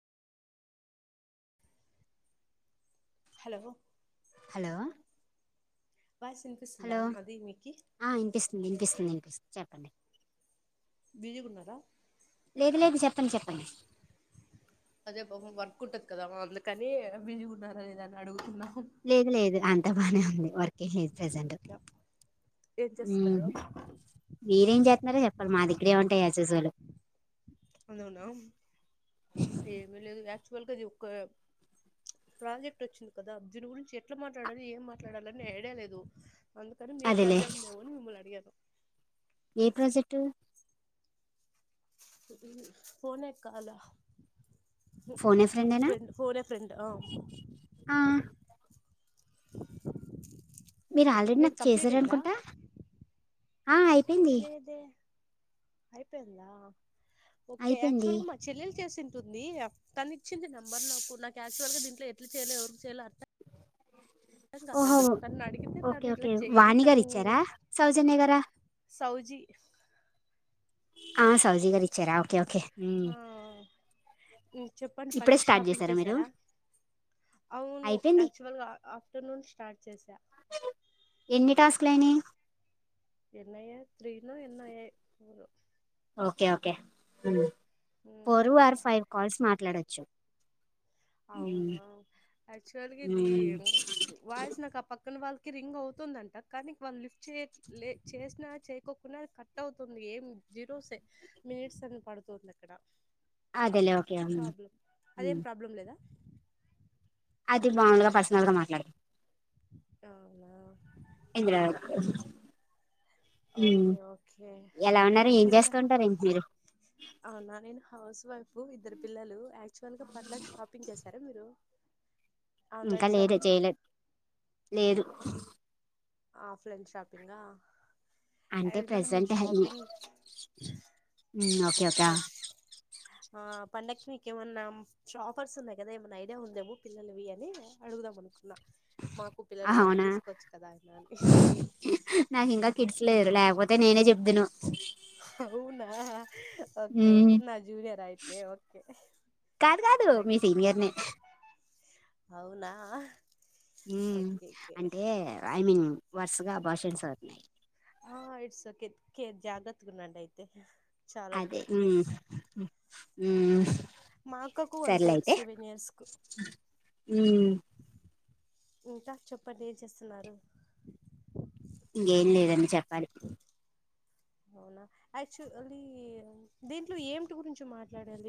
Hello hello voice వినిపిస్తుందా hello అది మీకి ఆ వినిపిస్తుంది వినిపిస్తుంది వినిపిస్తుంది చెప్పండి బిజీ గున్నారా లేదు లేదు చెప్పండి చెప్పండి ఉంటర్ కదా అందుకని వబిజీ గా ఉన్నారా లేద అని అడుగుతున్నా లేదు లేదు అం త బానే ఉంది వర్క్ లేదు ప్రెసెంట్ ఏం చేస్తున్నారు మీరేం జేత్తున్నారో చెప్పాలి మాది ఏముంటాయి ఆజ్యూజ్వాల్ నేనా ఏమీలేదు వా ఆక్చువల్గా అది ఒక ప్రాజెక్ట్ వచ్చింది కదా దీని గురించి ఎట్లా మాట్లాడాలి ఏం మాట్లాడాలి అని ఐడియా లేదు అందుకనీ మీక్ అదేలే ఐడియా ఉందేమో అని మిమ్మల్ని అడిగాను ఏ ప్రాజెక్టు ఫోన్ ఏ కాలా ఫోన్ ఏ ఫ్రెండేనా ఫోన్ ఏ ఫ్రెండ్ ఆ మీరు ఆల్రెడీ మీది నాకు కంప్లీట్ చేసారు అయిందా అనుకుంటా లేదే అయిపోయిందా ఓకే అయిపోయింది యాక్చువల్ గా మా చెల్లెలు చేసిన్ టుంది తను ఇచ్చింది నెంబర్ నాకు నాకు యాచువల్ గా దీంట్లో ఎట్లా చేయలో ఎవరికి చేయలో అర్ ర్థం ఓహో కాలేదు తను అడిగితే ఓకే తను ఇలా ఓకే చెయ్యి వాణి గారు తను ఇచ్చారా సౌజన్య గారా సౌజీ ఆ సౌజీ గారు ఇచ్చారా ఓకే ఓకే ఉమ్, ఆ ఇంగ చెప్పండి ఇప్పుడే పండగ స్టార్ట్ షాపింగ్ చేశారా మీరు చేసారా అవును అయిపోయింది యాక్చువల్గా ఆ ఆఫ్టర్నూన్ స్టార్ట్ చేసా ట్లేని ఎన్నయ్య త్రీనో ఎన్నయే ఫరు okay okay hmm um four or five calls మా ట్లాడచ్చు అవునా ఆక్చువల్ ఇది వాయిస్ నాకప్పక్ కాని వాళ్ళకి రింగ్ అవుతుందంట కానీ వాళ్ళు లిఫ్ట్ చేట్లే చేసినా చేయకోకున్నా కట్ అవుతుంది, ఏం జీరోసే మినిట్స్ అని పడుతుంది అక్కడ. అదేలే ఓకే హ్మ్ ప్రాబ్లం అదేం మ్మ్ ప్రాబ్లం లేదా అతి మాములుగా పర్సనల్ గా మాట్లాడుదాం అవునా ఇంద్రా ఓకే ఓకే ఎలా ఉన్నారు ఏం ఇంకా చేస్తుంటారు ఏంటి మీరు అవునా నేను హౌస్ వైఫ్ ఇద్దరు పిల్లలు అక్ క్చుల్గా పండక్కి షపింగ్ చేస సరే మీరు ఇంకా ఆన్లైన్ లేద షాపింగ్ చేయలేద్ లేదు ఆఫ్లైన్ షాపింగ్ ఆ అంటే ప్రజెంట్ అయి మ్ ఓకే కా ఆ పండక్కి మీక ఏమన్నా ఆఫర్స్ ఉన్నాయి కదా ఏమైన్నా ఐడియా ఉందేమో పిల్లలవి అని అడుగుదాం అనుకు మాకు పిల్లలు ఉన్నారు అవునా తీసుకోవచ్చు కదా ఆయనని కపోతే నేనే చెప్దును అవునా ఓకే నా జూనియర్ అయితే ఓకే కాదు కాదు నా మీ సీనియర్నే అవునా ఉమ్ ఓకే ఓకే అంటే ఐ మీన్ వరుసగ అభాస్షన్స్ నయ్ ఆ ఇట్స్ ఓకే కే జాగ్రత్తగా ఉండండియితే అదే ఉమ్ ఉమ్ మా అక్కకు సర్ల అంతే అయితే సెవెన్ ఇయర్స్ కు ఉమ్ ఇంక చెప్పండి ఏం చేస్తున్నారు ఇంగేం లేదండి చెప్పాలి అవునా ఆక్చు అలీ దీంట్లో ఏమిటి గురించి మాట్లాడాలి